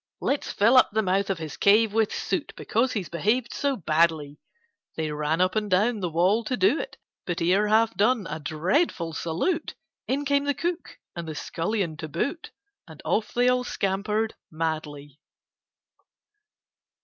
"Let's fill up the mouth of his cave with soot, Because he's behaved so badly!" They ran up and down the wall to do't; But ere half done a dreadful salute! In came the Cook, and the Scullion to boot, And off they all scampered madly.